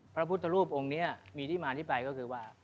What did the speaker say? พระพุทธรูปองค์นี้มีที่มาที่ไปก็คือว่า